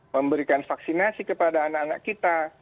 memberikan vaksinasi kepada anak anak kita